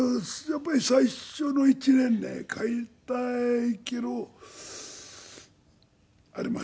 やっぱり最初の１年ね帰りたいけどありましたね。